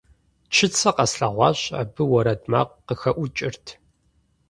Чыцэ къэслъэгъуащ, абы уэрэд макъ къыхэӀукӀырт.